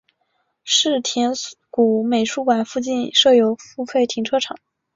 世田谷美术馆附近设有付费停车场。